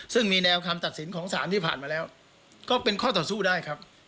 ซึ่งมีแนวคำตัดสินของสารที่ผ่านมาแล้วก็เป็นข้อต่อสู้ได้ครับ